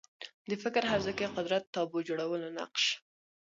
د فکر حوزه کې قدرت تابو جوړولو نقش